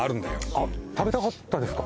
あっ食べたかったですか？